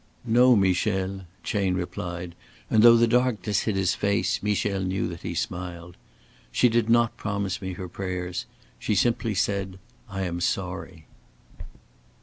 "No, Michel," Chayne replied, and though the darkness hid his face, Michel knew that he smiled. "She did not promise me her prayers. She simply said: 'I am sorry.'"